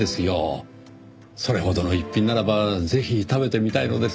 それほどの一品ならばぜひ食べてみたいのですが。